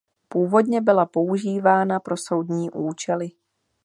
Původně byla používána pro soudní účely.